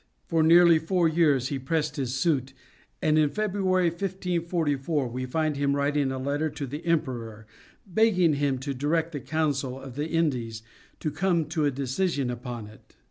For nearly four years he pressed his suit and in February, 1544, we find him writing a letter to the emperor begging him to direct the Council of the Indies to come to a decision upon it.